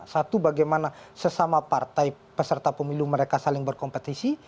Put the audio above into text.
satu bagaimana sesama partai peserta pemilu mereka saling berkompetisi